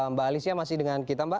mbak alicia masih dengan kita mbak